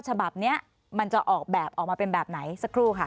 ฉบับนี้มันจะออกแบบออกมาเป็นแบบไหนสักครู่ค่ะ